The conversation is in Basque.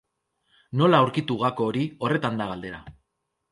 Nola aurkitu gako hori, horretan da galdera.